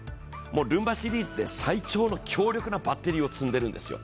ルンバシリーズで最長の強力なバッテリーを積んでいるんですよ。